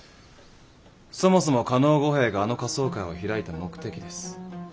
そもそも加納五兵衛があの仮装会を開いた目的です。